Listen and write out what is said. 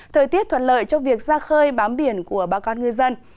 thời tiết thuận lợi cho việc ra khơi bám biển của bà con ngư dân